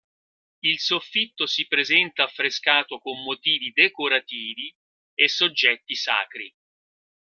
Il soffitto si presenta affrescato con motivi decorativi e soggetti sacri.